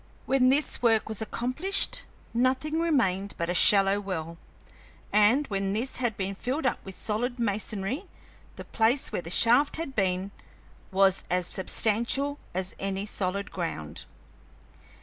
When this work was accomplished, nothing remained but a shallow well, and, when this had been filled up with solid masonry, the place where the shaft had been was as substantial as any solid ground.